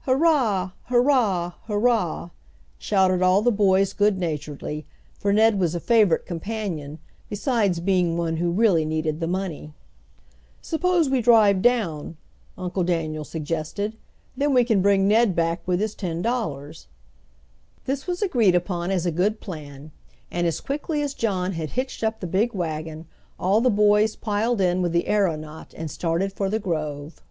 "Hurrah! hurrah! hurrah!" shouted all the boys good naturedly, for Ned was a favorite companion, besides being one who really needed the money. "Suppose we drive down," Uncle Daniel suggested. "Then we can bring Ned back with his ten dollars." This was agreed upon as a good plan, and as quickly as John had hitched up the big wagon ail the boys piled in with the aeronaut and started for the grove.